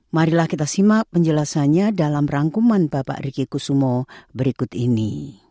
marilah kita simak penjelasannya dalam rangkuman bapak riki kusumo berikut ini